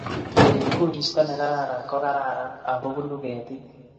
kerip koristo nekararan ko kararan akubunuu ketik